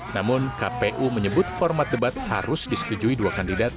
namun kpu menyebut format debat harus disetujui dua kandidat